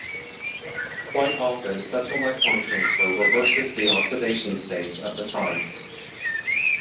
Quite often such electron transfer reverses the oxidation states of the sites.